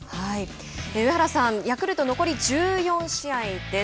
上原さんヤクルト残り１４試合です。